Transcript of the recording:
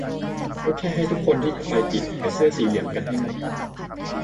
ก็แค่ให้ทุกคนที่จะไปปิดใส่เสื้อสีเหลืองกันให้หมด